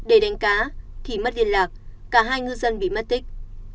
để đánh cá thì mất liên lạc cả hai ngư dân bị mất tích